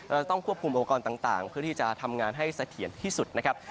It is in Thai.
เราจะต้องควบคุมองค์กรต่างเพื่อที่จะทำงานให้เสถียรที่สุดนะครับ